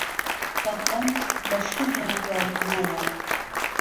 کافران لهشکریان دوایی نایه